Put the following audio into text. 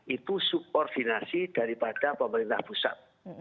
itu subordinasi daripada pemerintah pusat